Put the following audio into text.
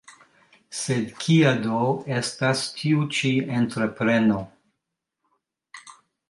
Sed kia do estas tiu ĉi entrepreno.